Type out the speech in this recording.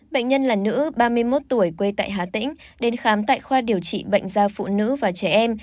bệnh nhân là nữ ba mươi một tuổi quê tại hà tĩnh đến khám tại khoa điều trị bệnh gia phụ nữ và trẻ em